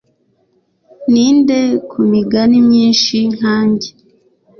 Ninde kumigani myinshi nkanjye